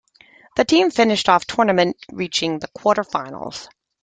The team finished off the tournament reaching the Quarter-Finals.